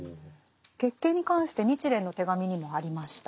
月経に関して「日蓮の手紙」にもありました。